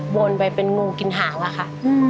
วนไปเป็นงูกินหางอะค่ะ